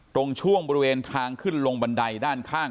ตรงช่วงบริเวณทางขึ้นลงบันไดด้านข้าง